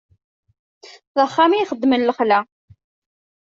D axxam i ixedmen lexla.